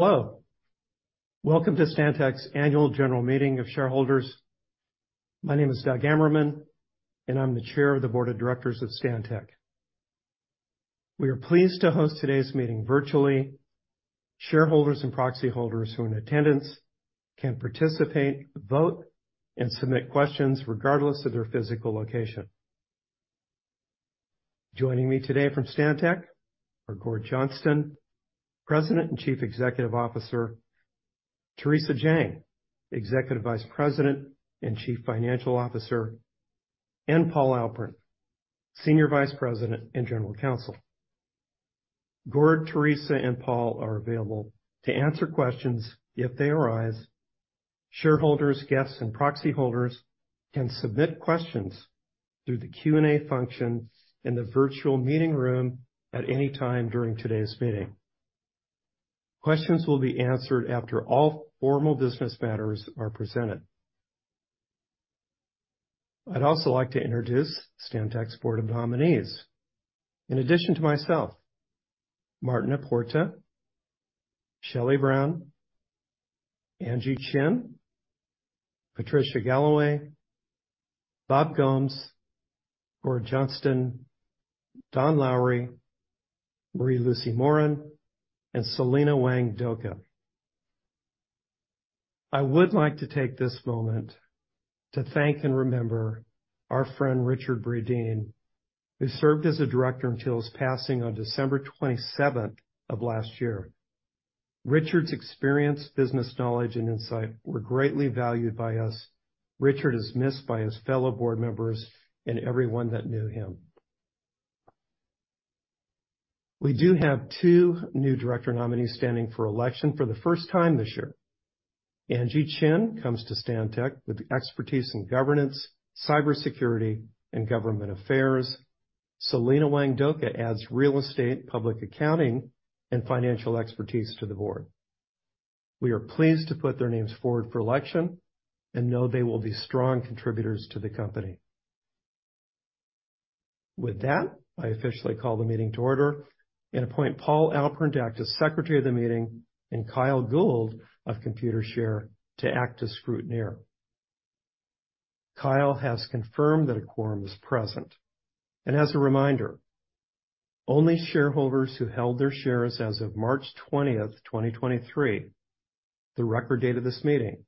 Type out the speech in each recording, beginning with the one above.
Hello. Welcome to Stantec's Annual General Meeting of Shareholders. My name is Doug Ammerman, I'm the Chair of the Board of Directors at Stantec. We are pleased to host today's meeting virtually. Shareholders and proxy holders who are in attendance can participate, vote, and submit questions regardless of their physical location. Joining me today from Stantec are Gord Johnston, President and Chief Executive Officer, Theresa Jang, Executive Vice President and Chief Financial Officer, and Paul Alpern, Senior Vice President and General Counsel. Gord, Theresa Jang, and Paul are available to answer questions if they arise. Shareholders, guests, and proxy holders can submit questions through the Q&A function in the virtual meeting room at any time during today's meeting. Questions will be answered after all formal business matters are presented. I'd also like to introduce Stantec's board of nominees. In addition to myself, Martin A. à Porta, Shelley Brown, Angeline G. Chen, Patricia D. Galloway, Robert J. Gomes, Gord Johnston, Donald J. Lowry, Marie-Lucie Morin, and Celina J. Wang Doka. I would like to take this moment to thank and remember our friend Richard Bradeen, who served as a director until his passing on December 27th of last year. Richard's experience, business knowledge, and insight were greatly valued by us. Richard is missed by his fellow board members and everyone that knew him. We do have two new director nominees standing for election for the first time this year. Angeline G. Chen comes to Stantec with expertise in governance, cybersecurity, and government affairs. Celina J. Wang Doka adds real estate, public accounting, and financial expertise to the board. We are pleased to put their names forward for election and know they will be strong contributors to the company. With that, I officially call the meeting to order and appoint Paul Alpern to act as secretary of the meeting and Kyle Gould of Computershare to act as scrutineer. Kyle has confirmed that a quorum is present. As a reminder, only shareholders who held their shares as of March 20th, 2023, the record date of this meeting,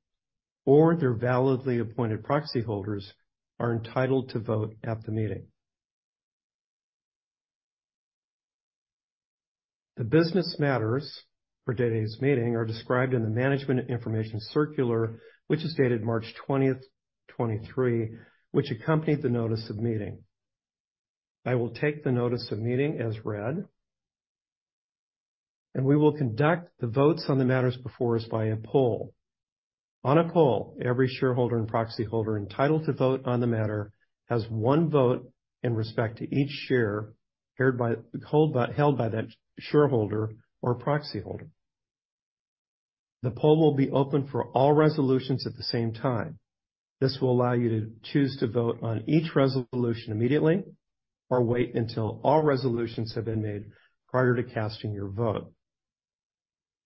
or their validly appointed proxy holders are entitled to vote at the meeting. The business matters for today's meeting are described in the Management Information Circular, which is dated March 20th, 2023, which accompanied the notice of meeting. I will take the notice of meeting as read, and we will conduct the votes on the matters before us by a poll. On a poll, every shareholder and proxy holder entitled to vote on the matter has one vote in respect to each share held by that shareholder or proxy holder. The poll will be open for all resolutions at the same time. This will allow you to choose to vote on each resolution immediately or wait until all resolutions have been made prior to casting your vote.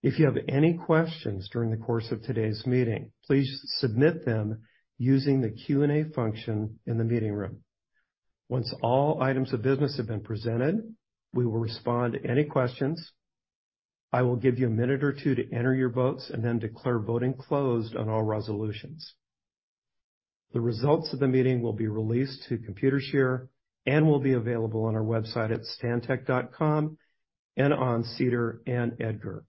If you have any questions during the course of today's meeting, please submit them using the Q&A function in the meeting room. Once all items of business have been presented, we will respond to any questions. I will give you one minute or two to enter your votes and then declare voting closed on all resolutions. The results of the meeting will be released to Computershare and will be available on our website at stantec.com and on SEDAR and EDGAR.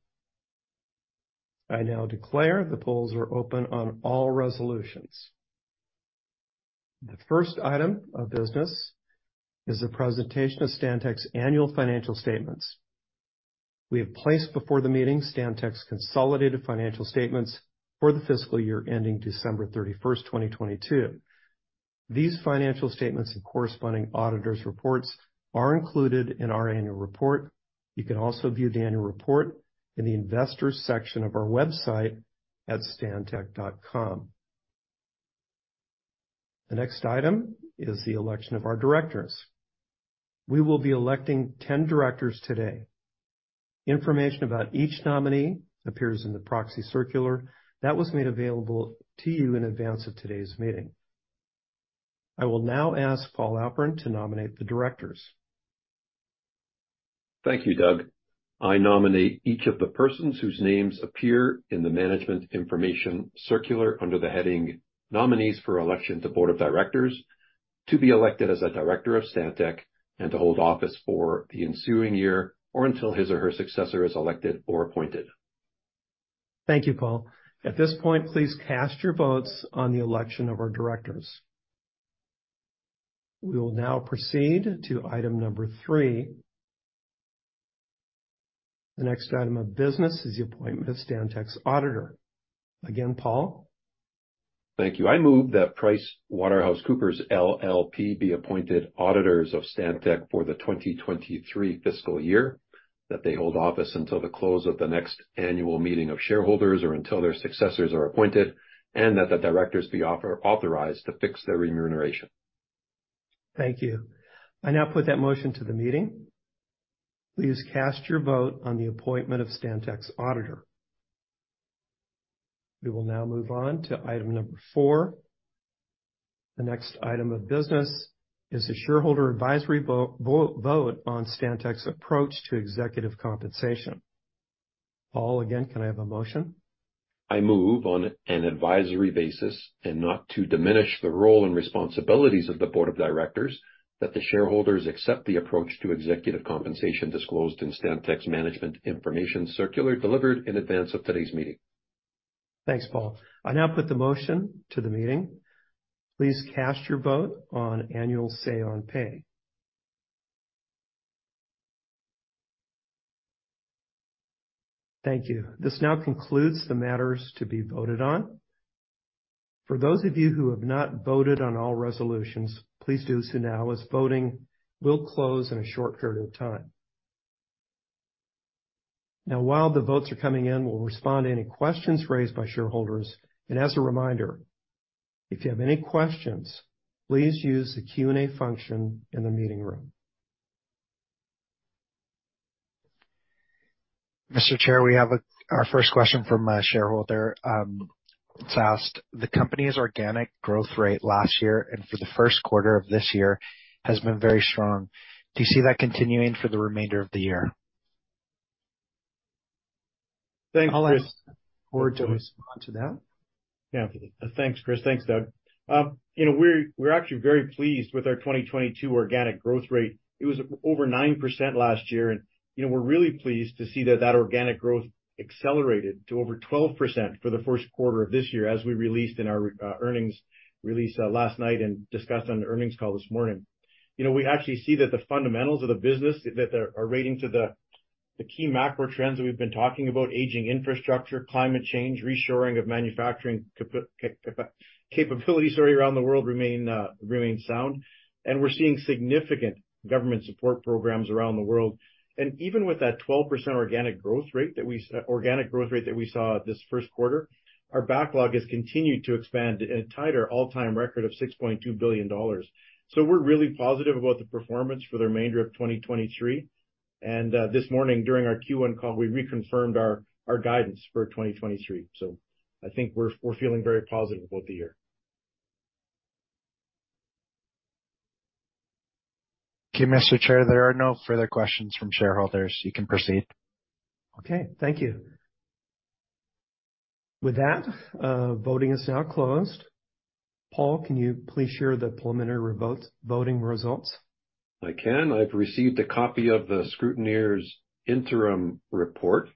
I now declare the polls are open on all resolutions. The first item of business is a presentation of Stantec's annual financial statements. We have placed before the meeting Stantec's consolidated financial statements for the fiscal year ending December 31st, 2022. These financial statements and corresponding auditor's reports are included in our annual report. You can also view the annual report in the investor section of our website at stantec.com. The next item is the election of our directors. We will be electing 10 directors today. Information about each nominee appears in the proxy circular that was made available to you in advance of today's meeting. I will now ask Paul Alpern to nominate the directors. Thank you. Doug. I nominate each of the persons whose names appear in the Management Information Circular under the heading Nominees for Election to Board of Directors, to be elected as a director of Stantec and to hold office for the ensuing year or until his or her successor is elected or appointed. Thank you, Paul. At this point, please cast your votes on the election of our directors. We will now proceed to item number three. The next item of business is the appointment of Stantec's auditor. Again, Paul. Thank you. I move that PricewaterhouseCoopers LLP be appointed auditors of Stantec for the 2023 fiscal year, that they hold office until the close of the next annual meeting of shareholders or until their successors are appointed, and that the directors be authorized to fix their remuneration. Thank you. I now put that motion to the meeting. Please cast your vote on the appointment of Stantec's auditor. We will now move on to item number four. The next item of business is the shareholder advisory vote on Stantec's approach to executive compensation. Paul, again, can I have a motion? I move on an advisory basis and not to diminish the role and responsibilities of the board of directors, that the shareholders accept the approach to executive compensation disclosed in Stantec's Management Information Circular delivered in advance of today's meeting. Thanks, Paul. I now put the motion to the meeting. Please cast your vote on annual Say on Pay. Thank you. This now concludes the matters to be voted on. For those of you who have not voted on all resolutions, please do so now, as voting will close in a short period of time. While the votes are coming in, we'll respond to any questions raised by shareholders. As a reminder, if you have any questions, please use the Q&A function in the meeting room. Mr. Chair, we have our first question from a shareholder. It's asked, "The company's organic growth rate last year and for the first quarter of this year has been very strong. Do you see that continuing for the remainder of the year? Thanks, Chris. Before I respond to that. Yeah. Thanks, Chris. Thanks, Doug. you know, we're actually very pleased with our 2022 organic growth rate. It was over 9% last year. you know, we're really pleased to see that that organic growth accelerated to over 12% for the first quarter of this year, as we released in our earnings release last night and discussed on the earnings call this morning. You know, we actually see that the fundamentals of the business that are rating to the key macro trends that we've been talking about, aging infrastructure, climate change, reshoring of manufacturing capabilities, sorry, around the world remain sound. We're seeing significant government support programs around the world. Even with that 12% organic growth rate that we saw this first quarter, our backlog has continued to expand and tied our all-time record of $6.2 billion. We're really positive about the performance for the remainder of 2023. This morning during our Q1 call, we reconfirmed our guidance for 2023. I think we're feeling very positive about the year. Okay, Mr. Chair, there are no further questions from shareholders. You can proceed. Okay. Thank you. With that, voting is now closed. Paul, can you please share the preliminary revotes, voting results? I can. I've received a copy of the scrutineer's interim report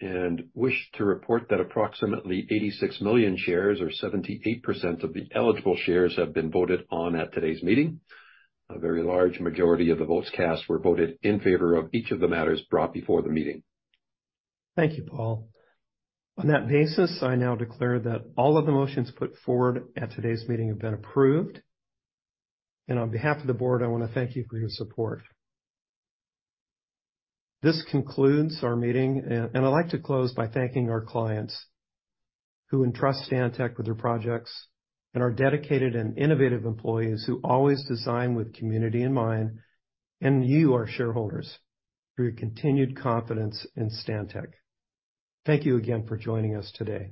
and wish to report that approximately 86 million shares or 78% of the eligible shares have been voted on at today's meeting. A very large majority of the votes cast were voted in favor of each of the matters brought before the meeting. Thank you, Paul. On that basis, I now declare that all of the motions put forward at today's meeting have been approved. On behalf of the board, I wanna thank you for your support. This concludes our meeting. I'd like to close by thanking our clients who entrust Stantec with their projects, and our dedicated and innovative employees who always design with community in mind, and you, our shareholders, for your continued confidence in Stantec. Thank you again for joining us today.